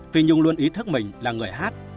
phi nhung luôn ý thức mình là người hát